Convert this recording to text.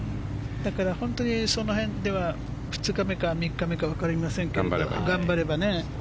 だから、本当にその辺では２日目か３日目かわかりませんが頑張れば。